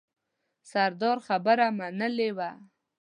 سردار خبره منلې وه.